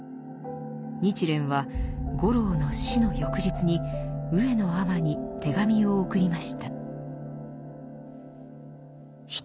日蓮は五郎の死の翌日に上野尼に手紙を送りました。